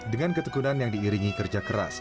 dengan ketekunan yang diiringi kerja keras